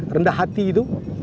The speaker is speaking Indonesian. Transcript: rendah hati itu